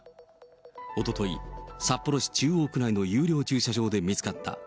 おととい、札幌市中央区内の有料駐車場で見つかった。